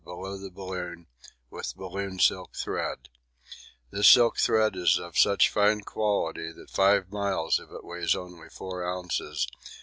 below the balloon with balloon silk thread; this silk thread is of such fine quality that 5 miles of it only weighs 4 ozs.